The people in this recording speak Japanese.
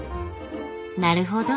なるほど。